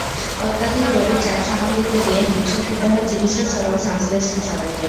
অত্যধিক রোগীর চাপ সামাল দিতে গিয়ে হিমশিম খেতে হয় চিকিৎসকসহ সংশ্লিষ্ট সবাইকে।